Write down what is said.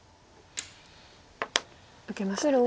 受けましたね。